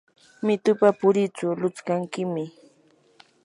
mitupa puritsu lutskankiymi.